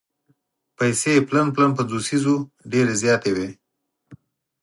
پیسې پلن پلن پنځوسیز وو ډېرې زیاتې وې.